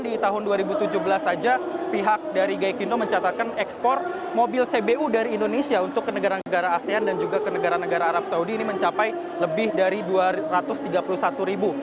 tidak saja pihak dari gai kindo mencatatkan ekspor mobil cbu dari indonesia untuk ke negara negara asean dan juga ke negara negara arab saudi ini mencapai lebih dari dua ratus tiga puluh satu ribu